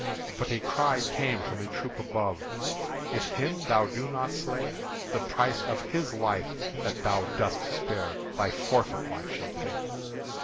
But a cry came from the troop above: "If him thou do not slay, The price of his life that thou dost spare Thy forfeit life shall pay!"